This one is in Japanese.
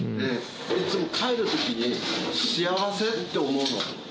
いつも帰るときに、幸せって思うの。